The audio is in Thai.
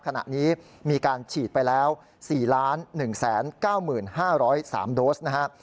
ขณะนี้มีการฉีดไปแล้ว๔๑๙๕๐๓โดสนะครับ